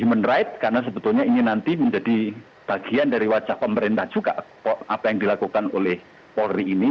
human right karena sebetulnya ini nanti menjadi bagian dari wajah pemerintah juga apa yang dilakukan oleh polri ini